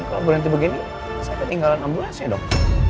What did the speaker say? ini kalau berhenti begini saya ketinggalan ambulansnya dong